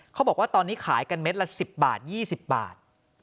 เขาบอกว่าตอนนี้ขายกันเม็ดละ๑๐บาท๒๐บาท